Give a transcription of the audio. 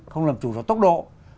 không làm chủ do tốc độ